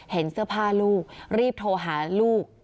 เห็นเสื้อผ้าลูกรีบโทรหาลูก